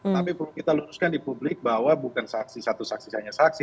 tapi perlu kita luruskan di publik bahwa bukan saksi satu saksi hanya saksi